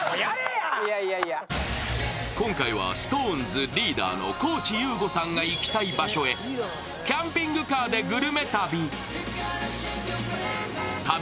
今回はＳｉｘＴＯＮＥＳリーダーの高地優吾さんが行きたい場所へキャンピングカーでグルメ旅。